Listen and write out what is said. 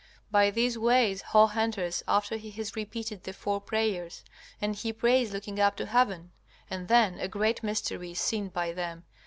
By these ways Hoh enters after he has repeated the four prayers, and he prays looking up to heaven. And then a great mystery is seen by them.